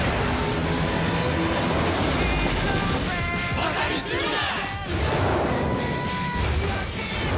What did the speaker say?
バカにするな！！